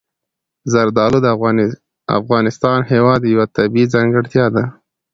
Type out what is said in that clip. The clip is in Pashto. زردالو د افغانستان هېواد یوه طبیعي ځانګړتیا ده.